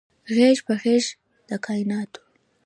غیږ په غیږ د کائیناتو